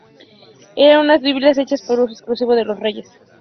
Eran unas Biblias hechas para uso exclusivo de los reyes.